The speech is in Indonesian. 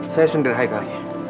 saya sundir haikal